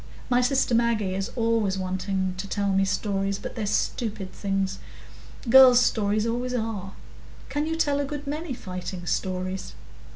My sister Maggie is always wanting to tell me stories, but they're stupid things. Girls' stories always are. Can you tell a good many fighting stories?"